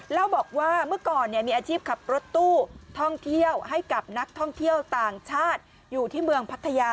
เล่าบอกว่าเมื่อก่อนมีอาชีพขับรถตู้ท่องเที่ยวให้กับนักท่องเที่ยวต่างชาติอยู่ที่เมืองพัทยา